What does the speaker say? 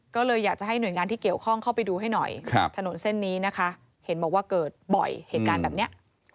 ก็เลยอยากจะให้หน่วยงานที่เกี่ยวข้องเข้าไปดูให้หน่อยถนนเส้นนี้นะคะเห็นบอกว่าเกิดบ่อยเหตุการณ์แบบนี้